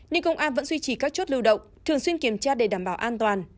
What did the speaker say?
nhưng công an vẫn duy trì các chốt lưu động thường xuyên kiểm tra để đảm bảo an toàn